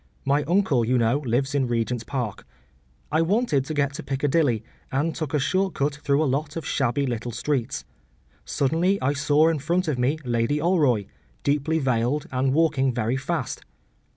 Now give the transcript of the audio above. My uncle, you know, lives in Regent’s Park. I wanted to get to Piccadilly, and took a short cut through a lot of shabby little streets. Suddenly I saw in front of me Lady Alroy, deeply veiled and walking very fast.